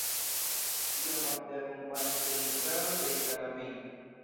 Tion ofte akompanas trinkado de itala vino.